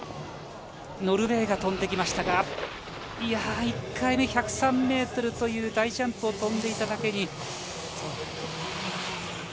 ノルウェーが飛んできましたが、いや、１回目、１０３ｍという大ジャンプを飛んでいただけに。